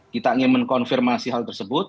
kita ingin mengkonfirmasi hal tersebut